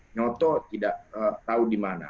nyoto tidak tahu di mana